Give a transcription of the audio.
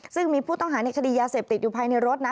ซึ่งมีผู้ต้องหาในคดียาเสพติดอยู่ภายในรถนะ